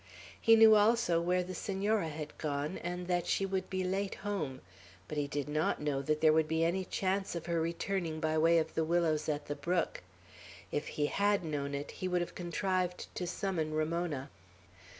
He knew also where the Senora had gone, and that she would be late home; but he did not know that there would be any chance of her returning by way of the willows at the brook; if he had known it, he would have contrived to summon Ramona.